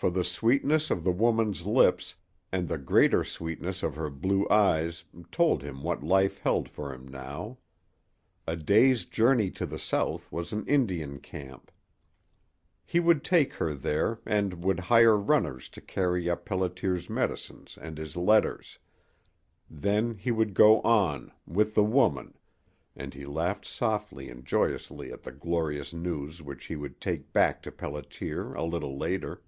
For the sweetness of the woman's lips and the greater sweetness of her blue eyes told him what life held for him now. A day's journey to the south was an Indian camp. He would take her there, and would hire runners to carry up Pelliter's medicines and his letters. Then he would go on with the woman and he laughed softly and joyously at the glorious news which he would take back to Pelliter a little later.